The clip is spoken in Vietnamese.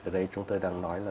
đấy chúng tôi đang nói là